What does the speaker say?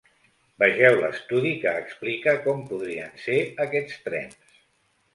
Vegeu l’estudi que explica com podrien ser aquests trens.